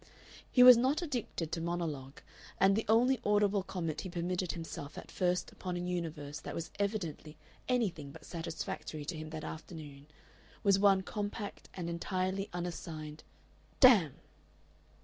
He was not addicted to monologue, and the only audible comment he permitted himself at first upon a universe that was evidently anything but satisfactory to him that afternoon, was one compact and entirely unassigned "Damn!"